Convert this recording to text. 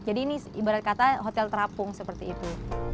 jadi ini ibarat kata hotel terapung seperti itu